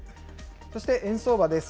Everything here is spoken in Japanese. そして円相場です。